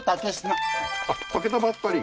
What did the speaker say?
あっ炊けたばっかり？